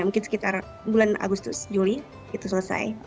mungkin sekitar bulan agustus juli itu selesai